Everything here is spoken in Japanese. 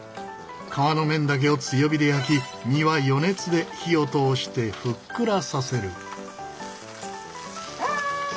皮の面だけを強火で焼き身は余熱で火を通してふっくらさせる。